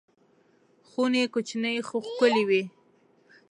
خونې کوچنۍ خو ښکلې وې.